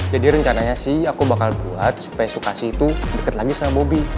jadi rencananya sih aku bakal buat supaya sukasih itu deket lagi sama bobby